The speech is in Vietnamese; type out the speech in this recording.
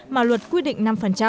mà luật quy định năm